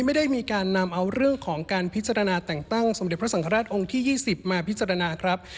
ไม่ได้มีการนำเอาเรื่องของการพิจารณาแต่งตั้งสมเด็จพระสังฆราชองค์ที่๒๐มาพิจารณาครับ